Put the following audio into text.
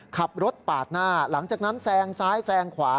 ขับรถปาดหน้าหลังจากนั้นแซงซ้ายแซงขวา